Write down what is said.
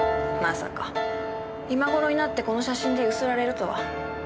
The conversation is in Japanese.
まさか今頃になってこの写真で強請られるとは。